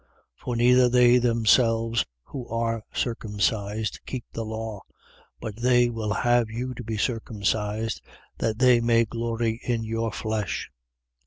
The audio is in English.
6:13. For neither they themselves who are circumcised keep the law: but they will have you to be circumcised, that they may glory in your flesh.